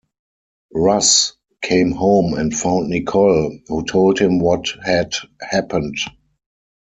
Russ came home and found Nicole, who told him what had happened.